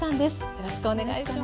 よろしくお願いします。